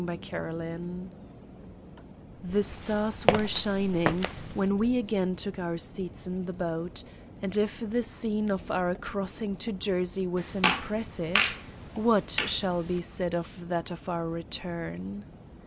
The stars were shining when we again took our seats in the boat; and if the scene of our crossing to Jersey was impressive, what shall be said of that of our return.